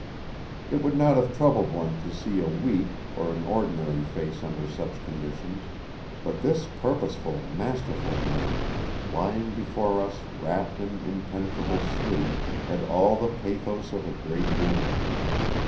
It would not have troubled one to see a weak or an ordinary face under such conditions; but this purposeful, masterful man, lying before us wrapped in impenetrable sleep, had all the pathos of a great ruin.